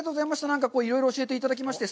なんかこう、いろいろ教えていただきまして。